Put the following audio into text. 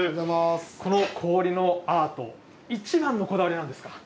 この氷のアート、一番のこだわりはなんですか。